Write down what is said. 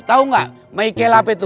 tau gak michael apa itu